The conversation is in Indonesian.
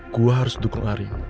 gue harus dukung arin